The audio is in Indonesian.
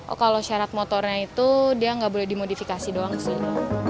oh kalau syarat motornya itu dia nggak boleh dimodifikasi doang sih